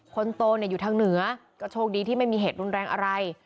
คนโตอยู่ทางเหนือก็โชคดีที่ไม่มีเหตุรุนแรงอะไร